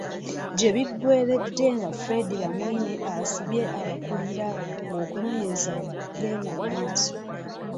Gye biggweeredde nga Fred Bamwine asibye ababakulira ng'okunoonyereza bwe kugenda mu maaso.